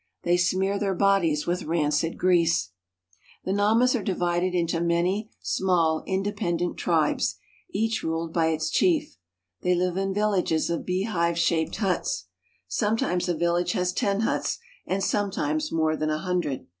They smear their bodies with rancid grease. The Namas are divided into many small, independent GERMAN SOUTHWEST AFRICA 32$ tribes, each ruled by its chief. They live in villages of beehive shaped huts. Sometimes a village has ten huts, and sometimes more than a hundred.